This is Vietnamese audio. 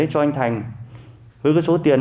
cho anh thành với số tiền